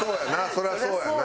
そりゃそうや。